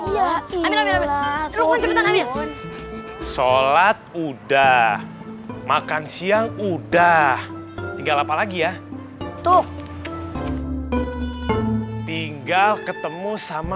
ya amir amir amir amir sholat udah makan siang udah tinggal apa lagi ya tuh tinggal ketemu sama